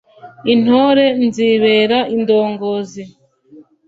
intore nzibera indongozi